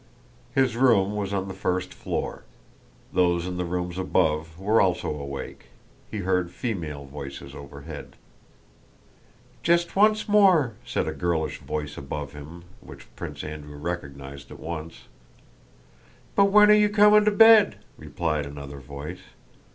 His room was on the first floor. Those in the rooms above were also awake. He heard female voices overhead. "Just once more," said a girlish voice above him which Prince Andrew recognized at once. "But when are you coming to bed?" replied another voice.